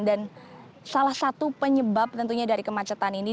dan salah satu penyebab tentunya dari kemacetan ini